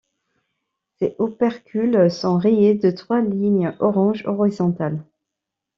Ses opercules sont rayés de trois lignes orange horizontales.